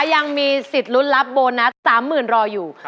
ยังมีสิทธิ์ลุ้นรับโบนัส๓๐๐๐รออยู่